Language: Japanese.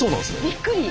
びっくり。